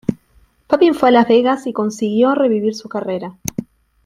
Papin fue a Las Vegas y consiguió revivir su carrera.